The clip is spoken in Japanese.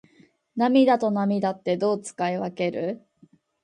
涙と泪ってどう使い分ける？